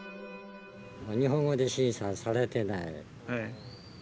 日本語で審査されてない。